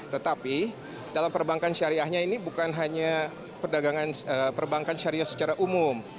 tetapi dalam perbankan syariahnya ini bukan hanya perbankan syariah secara umum